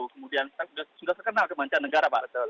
kemudian sudah sekenal kebancaan negara pak